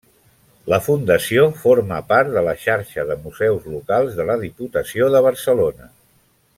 La Fundació forma part de la Xarxa de Museus Locals de la Diputació de Barcelona.